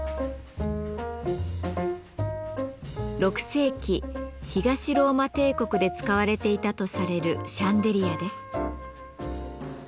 ６世紀東ローマ帝国で使われていたとされるシャンデリアです。